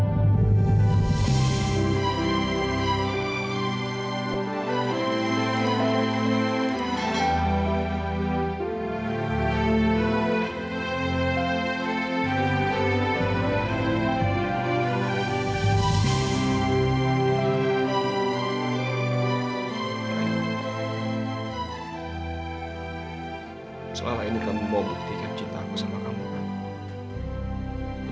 selama ini kamu mau buktikan cinta aku sama kamu raka